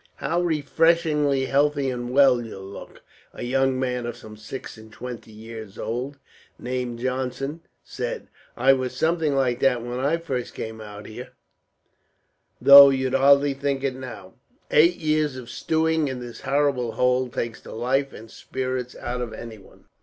"How refreshingly healthy and well you look!" a young man of some six and twenty years old, named Johnson, said. "I was something like that, when I first came out here, though you'd hardly think it now. Eight years of stewing, in this horrible hole, takes the life and spirits out of anyone.